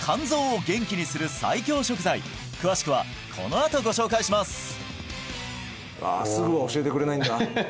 詳しくはこのあとご紹介します